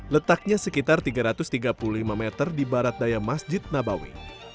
letaknya sekitar tiga ratus tiga puluh lima meter di barat daya masjid nabawi